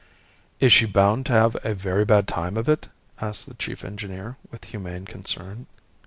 "Is she bound to have a very bad time of it?" asked the chief engineer, with humane concern.